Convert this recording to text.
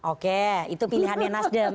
oke itu pilihannya mas dem